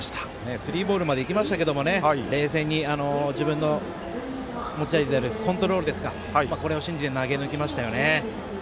スリーボールまでいきましたが冷静に自分の持ち味であるコントロールをこれを信じて投げぬきましたよね。